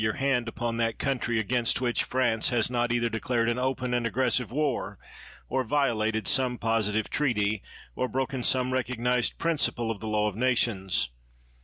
7 THE WORLD'S FAMOUS ORATIONS hand upon that country against which France has not either declared an open and aggressive war, or violated some positive treaty, or broken some recognized principle of the law of nations.